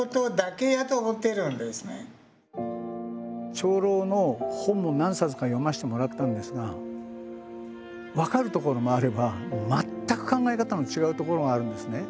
長老の本も何冊か読ませてもらったんですが分かるところもあれば全く考え方の違うところがあるんですね。